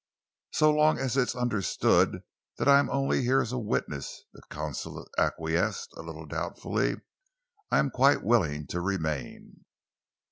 "So long as it is understood that I am only here as a witness," the consul acquiesced, a little doubtfully, "I am quite willing to remain."